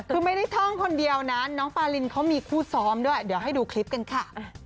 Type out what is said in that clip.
คือไม่ได้ท่องคนเดียวนะน้องปารินเขามีคู่ซ้อมด้วยเดี๋ยวให้ดูคลิปกันค่ะ